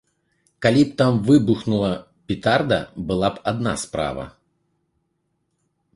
Калі б там выбухнула петарда, была б адна справа.